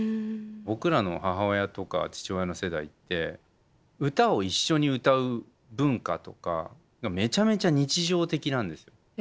僕らの母親とか父親の世代って歌を一緒に歌う文化とかめちゃめちゃ日常的なんですよ。